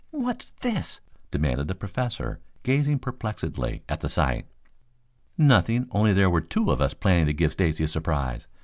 What's this?" demanded the Professor, gazing perplexedly at the sight. "Nothing, only there were two of us planning to give Stacy a surprise.